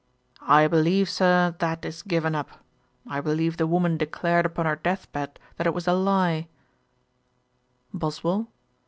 'I believe, Sir, that is given up. I believe the woman declared upon her death bed that it was a lie.' BOSWELL.